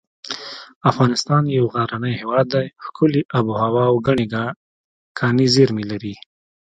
افغانستان یو غرنی هیواد دی ښکلي اب هوا او ګڼې کاني زیر مې لري